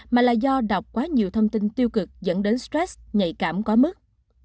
mà là do đọc quá nhiều thông tin tiêu cực dẫn đến stress nhạy cảm có mức